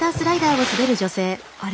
あれ？